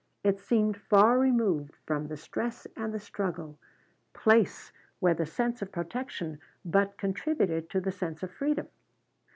It seemed far removed from the stress and the struggle, place where the sense of protection but contributed to the sense of freedom.